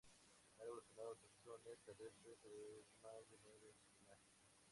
Han evolucionado taxones terrestres en más de nueve linajes.